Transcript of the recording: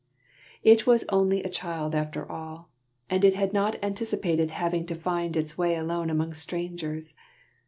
_ _It was only a child after all, and it had not anticipated having to find its way alone among strangers.